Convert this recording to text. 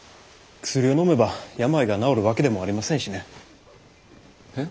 薬をのめば病が治るわけでもありませんしね。え？